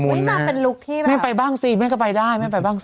ไม่มาเป็นลุคที่แบบไม่ไปบ้างสิไม่ก็ไปได้ไม่ไปบ้างสิ